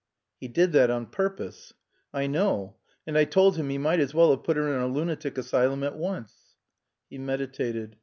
"He did that on purpose." "I know. And I told him he might as well have put her in a lunatic asylum at once." He meditated.